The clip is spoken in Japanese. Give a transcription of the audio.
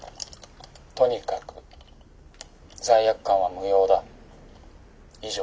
とにかく罪悪感は無用だ。以上」。